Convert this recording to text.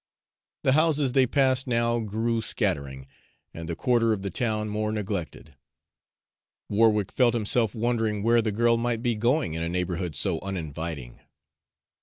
The houses they passed now grew scattering, and the quarter of the town more neglected. Warwick felt himself wondering where the girl might be going in a neighborhood so uninviting.